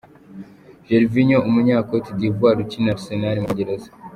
Gervinho – umunya Cote d’Ivoir ukinira Arsenal mu Bwongereza.